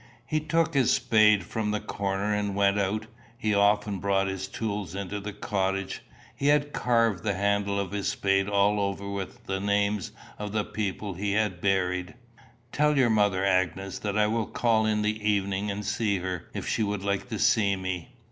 He took his spade from the corner, and went out. He often brought his tools into the cottage. He had carved the handle of his spade all over with the names of the people he had buried. "Tell your mother, Agnes, that I will call in the evening and see her, if she would like to see me.